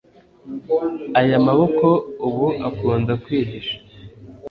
Aya maboko ubu akunda kwihisha